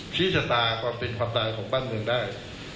ชี้ชะตาความเป็นความตายของบ้านเมืองได้